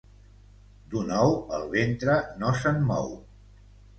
D'un ou el ventre no se'n mou.